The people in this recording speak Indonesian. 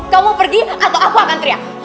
kamu pergi atau aku akan teriak